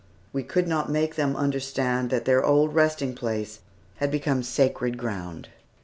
We could not make them understand that their old resting place had become sacred ground.